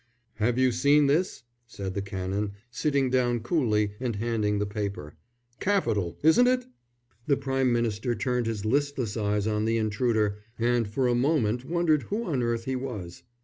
"Have you seen this?" said the Canon, sitting down coolly and handing the paper. "Capital, isn't it?" The Prime Minister turned his listless eyes on the intruder and for a moment wondered who on earth he was.